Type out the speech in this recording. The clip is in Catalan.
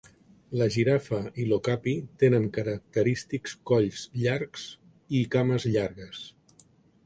La girafa i l'ocapi tenen característics colls llargs i cames llargues.